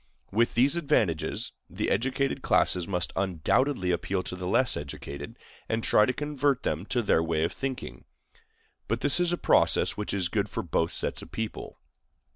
With these advantages, the educated classes must undoubtedly appeal to the less educated, and try to convert them to their way of thinking; but this is a process which is good for both sets of people.